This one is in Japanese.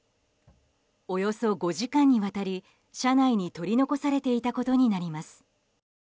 およそ５時間にわたり車内に取り残されていたことになります。